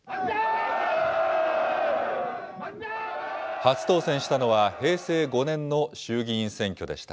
初当選したのは、平成５年の衆議院選挙でした。